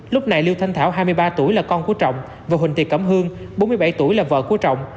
lúc này lưu thanh thảo hai mươi ba tuổi là con của trọng và huỳnh tị cẩm hương bốn mươi bảy tuổi là vợ của trọng